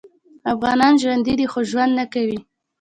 افغانان ژوندي دي خو ژوند نکوي